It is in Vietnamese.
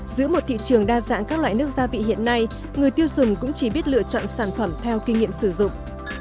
giữa một thị trường đa dạng các loại nước gia vị hiện nay người tiêu dùng cũng chỉ biết lựa chọn sản phẩm theo kinh nghiệm sử dụng